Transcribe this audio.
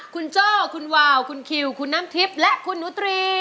คุณโจ้คุณวาวคุณคิวคุณน้ำทิพย์และคุณนุตรี